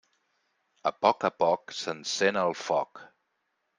A poc a poc s'encén el foc.